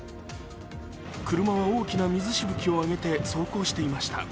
車は大きな水しぶきを上げて走行していました。